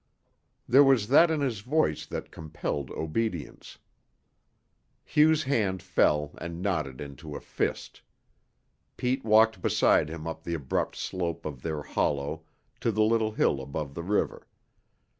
There was that in his voice that compelled obedience. Hugh's hand fell and knotted into a fist. Pete walked beside him up the abrupt slope of their hollow to the little hill above the river.